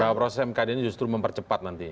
bahwa proses mkd ini justru mempercepat nanti